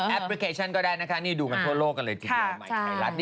แอปพลิเคชันก็ได้นะคะนี่ดูกันทั่วโลกกันเลยที่ไทยรัฐ